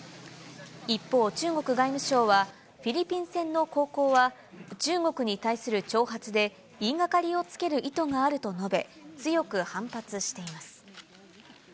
一方、中国外務省は、フィリピン船の航行は、中国に対する挑発で、言いがかりをつける意図があると述べ、強く反発しています。